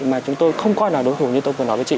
mà chúng tôi không coi là đối thủ như tôi vừa nói với chị